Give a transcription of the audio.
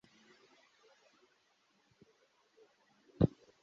kandi yabarebanye impuhwe mu bihe by’akaga bari barimo.